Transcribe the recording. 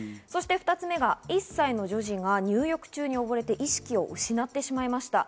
そして２つ目、１歳の女児が入浴中におぼれて、意識を失ってしまいました。